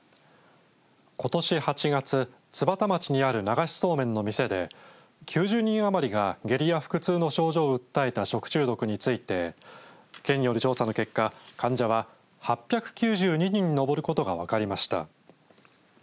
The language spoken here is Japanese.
ことし８月津幡町にある流しそうめんの店で９０人余りが下痢や腹痛の症状を訴えた食中毒について県による調査の結果、患者は８９２人に上ることが分かりました。